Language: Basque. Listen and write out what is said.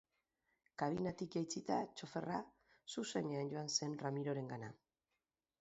Kabinatik jaitsita txoferra zuzenean joan zen Ramirorengana.